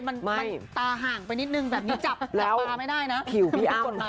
มันตาห่างไปนิดหนึ่งแบบนี้